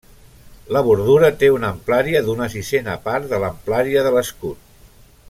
La bordura té una amplària d'una sisena part de l'amplària de l'escut.